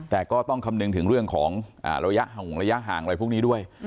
แต่ก็ต้องคำนึงถึงเรื่องของระยะห่างระยะห่างอะไรพวกนี้ด้วย